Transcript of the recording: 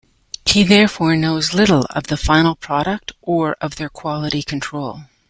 He therefore knows little of the final product, or of their quality control.